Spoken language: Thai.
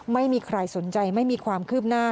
ไม่มีใครสนใจไม่มีความคืบหน้า